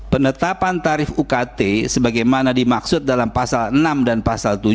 penetapan tarif ukt sebagaimana dimaksud dalam pasal enam dan pasal tujuh